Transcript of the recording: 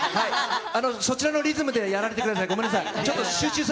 そちらのリズムでやられてください、ごめんなさい。